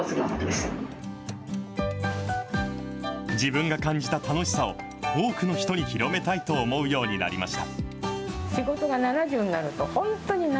自分が感じた楽しさを、多くの人に広めたいと思うようになりました。